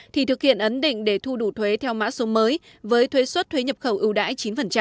thì thực hiện ấn định để thu đủ thuế theo mã số mới với thuế xuất thuế nhập khẩu ưu đãi chín